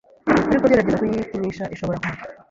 ariko gerageza kuyikinisha ishobora kwaka